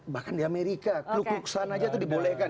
bahkan di amerika kluk kluk sana aja itu dibolehkan